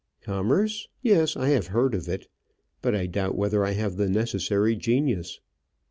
"Commerce. Yes, I have heard of it. But I doubt whether I have the necessary genius."